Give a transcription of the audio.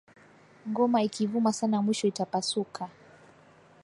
Ngoma iki vuma sana mwisho ita pasuka